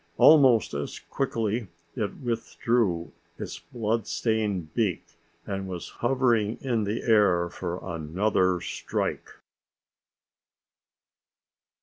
Almost as quickly it withdrew its blood stained beak and was hovering in the air for another strike.